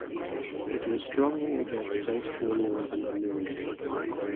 It was strongly against French colonialism in the region.